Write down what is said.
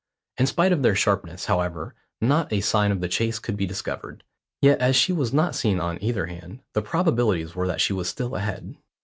In spite of their sharpness, however, not a sign of the chase could be discovered. Yet as she was not seen on either hand, the probabilities were that she was still ahead.